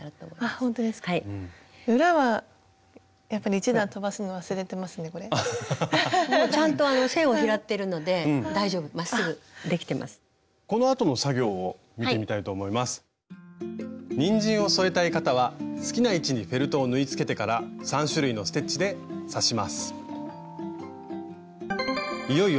にんじんを添えたい方は好きな位置にフェルトを縫いつけてから３種類のステッチで刺します。